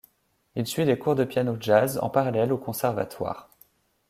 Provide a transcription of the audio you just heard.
Il suit des cours de piano Jazz en parallèle au Conservatoire.